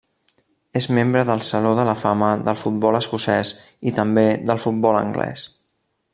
És membre del saló de la fama del futbol escocès i també del futbol anglès.